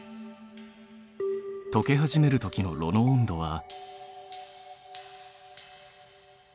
とけ始めるときの炉の温度は。